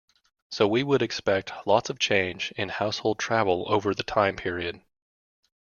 So we would expect lots of change in household travel over the time period.